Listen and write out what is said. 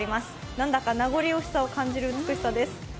なんだか名残惜しさを感じる美しさです。